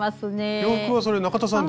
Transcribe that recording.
洋服はそれ中田さん